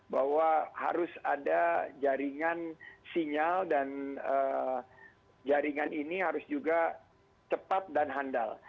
bahwa harus ada jaringan sinyal dan jaringan ini harus juga cepat dan handal